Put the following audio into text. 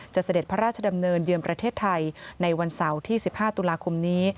เสด็จพระราชดำเนินเยือนประเทศไทยในวันเสาร์ที่๑๕ตุลาคมนี้